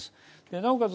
なおかつ